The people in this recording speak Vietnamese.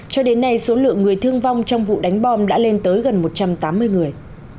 cho đến nay số lượng người thương vong trong vụ đánh bom đã lên tới gần một trăm tám mươi người